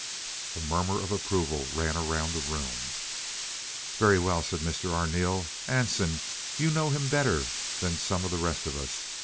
A murmur of approval ran around the room. "Very well," said Mr. Arneel. "Anson, you know him better than some of the rest of us.